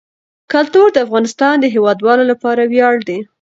کلتور د افغانستان د هیوادوالو لپاره ویاړ دی.